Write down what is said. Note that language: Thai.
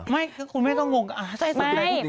ไม่คุณแม่ต้องงง